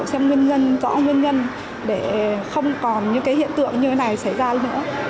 xem nguyên nhân rõ nguyên nhân để không còn những cái hiện tượng như thế này xảy ra nữa